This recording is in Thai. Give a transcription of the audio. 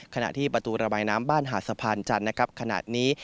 ขณะที่ประตูระบายน้ำบ้านหาดสะพานจันทร์นะครับขณะนี้